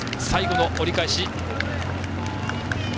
最後の折り返し。